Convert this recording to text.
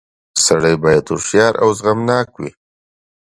• سړی باید هوښیار او زغمناک وي.